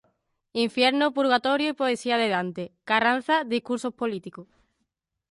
Infierno purgatorio y poesía de Dante; Carranza, discursos políticos.